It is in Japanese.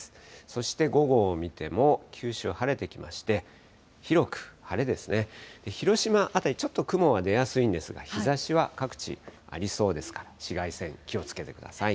そして午後を見ても、九州は晴れてきまして、広く晴れですね、広島辺り、ちょっと雲が出やすいんですが、日ざしは各地、ありそうですから、紫外線、気をつけてください。